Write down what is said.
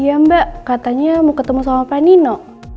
iya mbak katanya mau ketemu sama pak nino